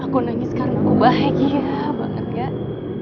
aku nangis karena aku bahagia banget gak